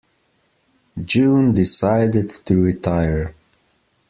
June decided to retire.